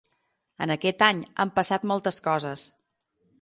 En aquest any han passat moltes coses.